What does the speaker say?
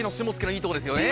いいとこですよ！